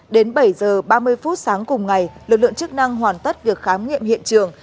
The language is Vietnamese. đến bảy h ba mươi phút sáng cùng ngày lực lượng chức năng hoàn tất việc khám nghiệm hiện trường